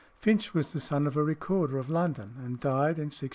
Finch was the son of a recorder of London, and died in 1681.